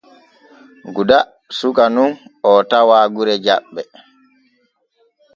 Guda suka nun oo tawa gure Jaɓɓe.